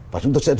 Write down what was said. và chúng tôi sẽ